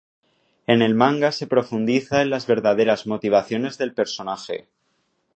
En el manga se profundiza en las verdaderas motivaciones del personaje.